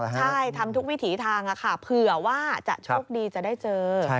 ใช่ทำทุกวิถีทางค่ะเผื่อว่าจะโชคดีจะได้เจอ